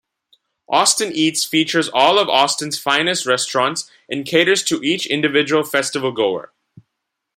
Austin Eats features all of Austin's finest restaurants and caters to each individual festivalgoer.